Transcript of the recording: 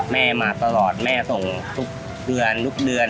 แม่มาตลอดแม่ส่งทุกเดือนทุกเดือน